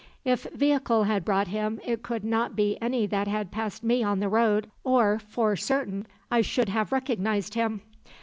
If vehicle had brought him, it could not be any that had passed me on the road, or for certain I should have recognized him.